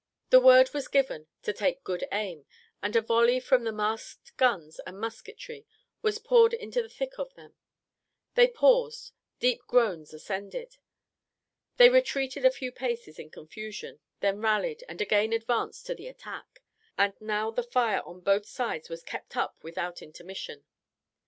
The word was given to take good aim, and a volley from the masked guns and musketry was poured into the thick of them. They paused deep groans ascended! They retreated a few paces in confusion, then rallied, and again advanced to the attack; and now the fire on both sides was kept up without intermission.